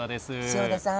塩田さん。